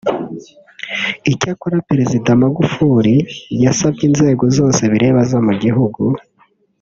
Icyakora Perezida Magufuli yasabye inzego zose bireba zo mu gihugu